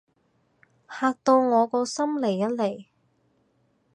嚇到我個心離一離